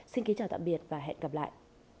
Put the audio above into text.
xin kính chào tạm biệt và hẹn gặp lại